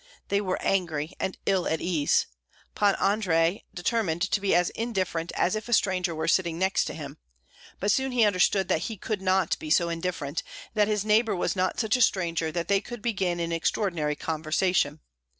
They were angry and ill at ease. Pan Andrei determined to be as indifferent as if a stranger were sitting next him; but soon he understood that he could not be so indifferent, and that his neighbor was not such a stranger that they could begin an ordinary conversation.